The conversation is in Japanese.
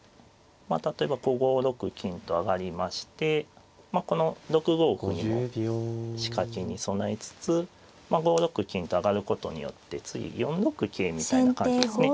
例えばこう５六金と上がりましてこの６五歩にも仕掛けに備えつつ５六金と上がることによって次４六桂みたいな感じですね。